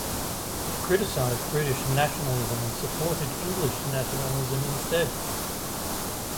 It criticised British nationalism and supported English nationalism instead.